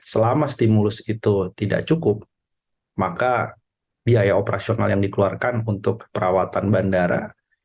selama stimulus itu tidak cukup maka biaya operasional yang dikeluarkan untuk perawatan bandara